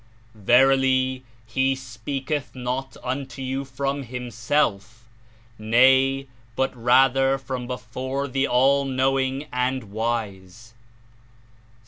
Verily, He speaketh not unto you from himself, nay, but rather from before the All knowing and Wise.